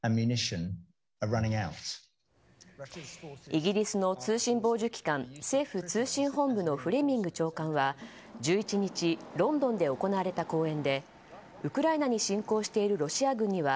イギリスの通信傍受機関政府通信本部のフレミング長官は１１日ロンドンで行われた講演でウクライナに侵攻しているロシア軍には